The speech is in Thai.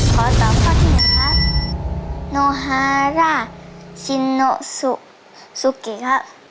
ขอตอบข้อที่๑ครับโนฮาราชินโนสุเกครับ